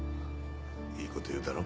いいこと言うだろ？